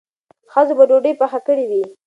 ښځو به ډوډۍ پخ کړې وي.